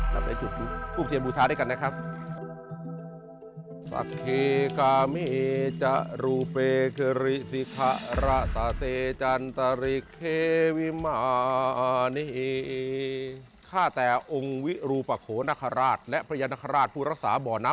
จะไปจุดทูบเทียนบูชาด้วยกันนะครับ